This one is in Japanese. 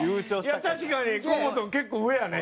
いや確かに河本結構上やね。